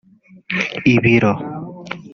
ibiro